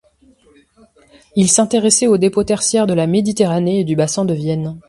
Il s'intéressait aux dépôts tertiaires de la Méditerranée et du bassin de Vienne.